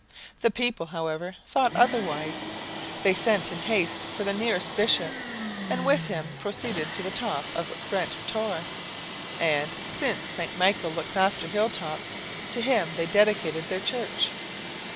The people, however, thought otherwise. They sent in haste for the nearest bishop, and with him proceeded to the top of Brent Tor. And, since St. Michael looks after hilltops, to him they dedicated their church.